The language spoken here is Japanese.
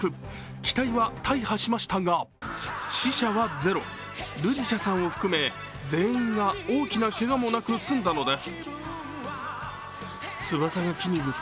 機体は大破しましたがルディシャさんを含め全員が大きなけがもなく済んだのです。